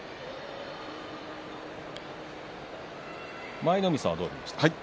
舞の海さんは、どう見ましたか。